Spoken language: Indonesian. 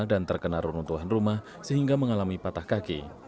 dan terkena runutuan rumah sehingga mengalami patah kaki